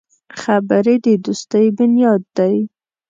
خبرې د دوستي بنیاد دی